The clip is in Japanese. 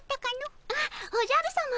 あっおじゃるさま。